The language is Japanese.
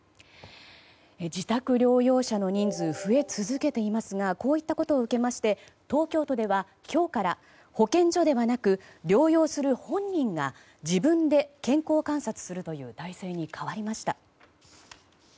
自宅療養者の人数が増え続けていますがこういったことを受けまして東京都では今日から保健所ではなく療養する本人が自分で健康観察するという体制に変わりました。